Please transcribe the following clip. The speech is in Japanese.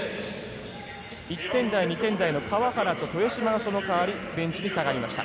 １点台、２点台の川原と豊島はその代わりベンチに下がりました。